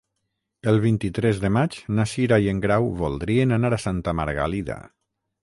El vint-i-tres de maig na Cira i en Grau voldrien anar a Santa Margalida.